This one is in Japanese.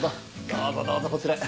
どうぞどうぞこちらへ。